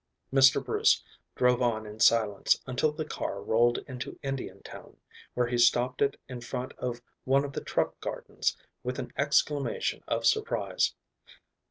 Mr. Bruce drove on in silence until the car rolled into Indiantown, where he stopped it in front of one of the truck gardens with an exclamation of surprise.